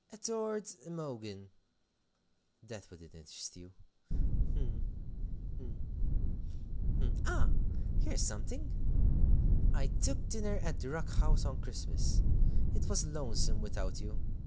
"'Adored Imogen' that wouldn't interest you hm, hm, hm ah, here's something! 'I took dinner at the Rock House on Christmas. It was lonesome without you.